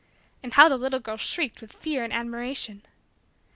And how the little girl shrieked with fear and admiration!